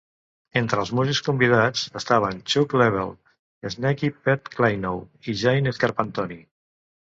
Entre els músics convidats estaven Chuck Leavell, Sneaky Pete Kleinow i Jane Scarpantoni.